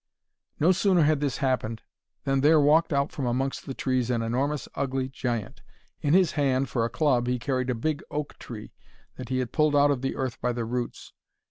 No sooner had this happened than there walked out from amongst the trees an enormous ugly giant. In his hand, for a club, he carried a big oak tree that he had pulled out of the earth by the roots.